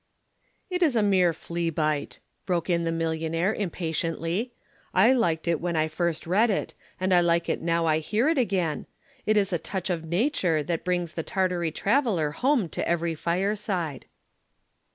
"It is a mere flea bite," broke in the millionaire, impatiently. "I liked it when I first read it, and I like it now I hear it again. It is a touch of nature that brings the Tartary traveller home to every fireside."